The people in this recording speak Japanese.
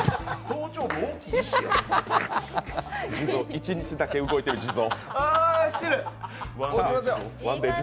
一日だけ動いてる地蔵。